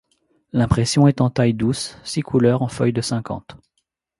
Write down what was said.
L'impression est en taille-douce six couleurs en feuille de cinquante.